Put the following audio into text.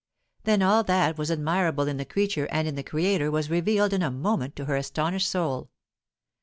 Then all that was admirable in the creature and in the Creator was revealed in a moment to her astonished soul.